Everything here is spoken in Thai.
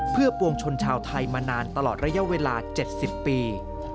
เพื่อปวงชนชาวไทยมานานตลอดระยะเวลา๗๐ปี